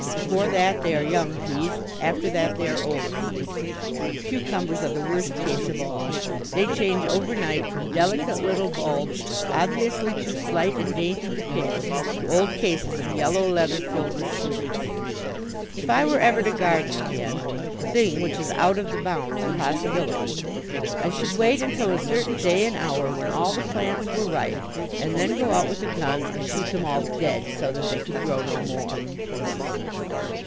Before that they are young peas; after that they are old peas. Cucumbers are the worst case of all. They change overnight, from delicate little bulbs obviously too slight and dainty to pick, to old cases of yellow leather filled with seeds. If I were ever to garden again, a thing which is out of the bounds of possibility, I should wait until a certain day and hour when all the plants were ripe, and then go out with a gun and shoot them all dead, so that they could grow no more.